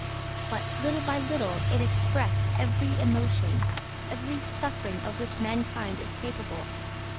But, little by little, it expressed every emotion, every suffering of which mankind is capable.